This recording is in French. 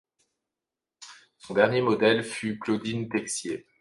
Son dernier modèle fut Claudine Texier.